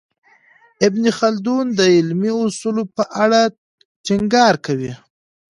ابن خلدون د علمي اصولو په اړه ټینګار کوي.